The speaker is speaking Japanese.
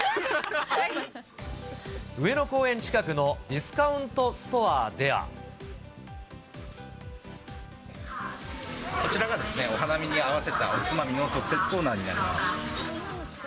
上野公園近くのディスカウンこちらがですね、お花見に合わせたおつまみの特設コーナーになります。